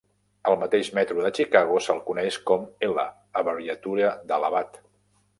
Al mateix metro de Chicago se'l coneix com "L", abreviatura d'"elevat".